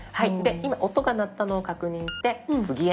今音が鳴ったのを確認して「次へ」